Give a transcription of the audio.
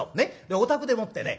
お宅でもってね